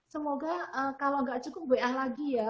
semoga kalau gak cukup wa lagi ya